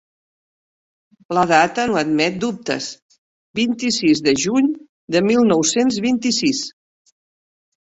La data no admet dubtes: vint-i-sis de juny de mil nou-cents vint-i-sis.